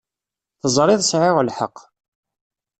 Teẓriḍ sεiɣ lḥeqq.